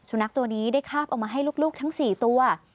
สุนัขตัวนี้ได้คาบเอามาให้ลูกทั้ง๔ตัว